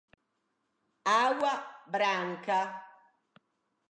Água Branca